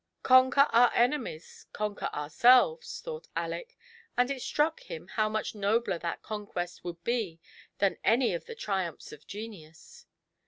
Conquer our enemies — conquer ourselves," thought Aleck, and it struck him how much nobler that conquest would be than any of the triumphs of genius.